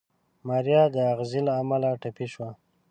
ماريا د اغزي له امله ټپي شوه.